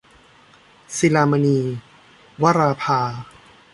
ศิลามณี - วราภา